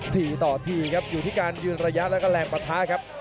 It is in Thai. ทีต่อทีอยู่ทีการยืนระยะและแรงปถาครับ